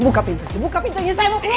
buka pintunya buka pintunya saya mau keluar